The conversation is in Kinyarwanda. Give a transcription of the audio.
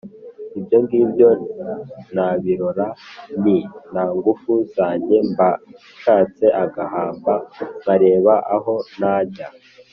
Ibyo ngibyo nabirora Nti: nta ngufu zanjyeMba nshatse agahamba Nkareba aho najya